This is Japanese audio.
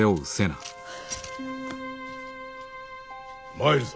参るぞ。